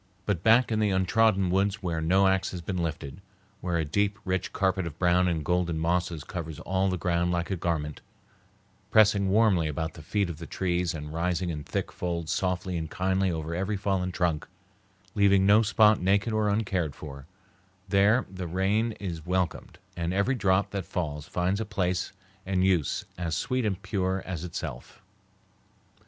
But back in the untrodden woods where no axe has been lifted, where a deep, rich carpet of brown and golden mosses covers all the ground like a garment, pressing warmly about the feet of the trees and rising in thick folds softly and kindly over every fallen trunk, leaving no spot naked or uncared for, there the rain is welcomed, and every drop that falls finds a place and use as sweet and pure as itself.